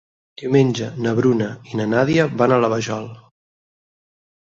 Diumenge na Bruna i na Nàdia van a la Vajol.